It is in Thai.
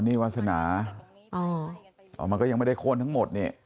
นี่วาสนาอ๋อมันก็ยังไม่ได้โค้นทั้งหมดเนี่ย